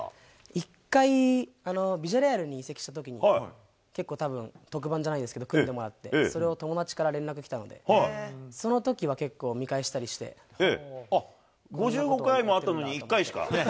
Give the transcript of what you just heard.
１回、ビジャレアルに移籍したときに、結構たぶん、特番じゃないんですけど、組んでもらって、それを友達から連絡来たので、そのときは５５回もあったのに、１回しかね。